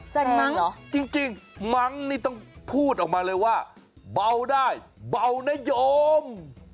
มั้งเหรอจริงมั้งนี่ต้องพูดออกมาเลยว่าเบาได้เบานะโยม